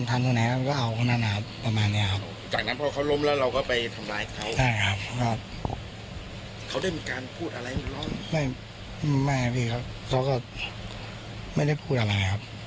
เขาก็ไม่ได้พูดอะไรครับ